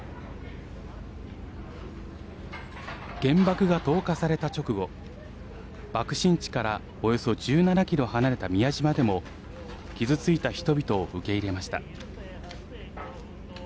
原爆が投下された直後爆心地からおよそ１７ｋｍ離れた宮島でも傷ついた人々を受け入れました。